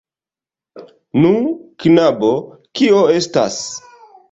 Nu, knabo, kio estas?